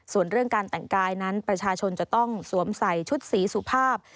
ส่วนเรื่องการแต่งกายนั้นประชาชนจะต้องสวมใส่ชุดสีสุภาพ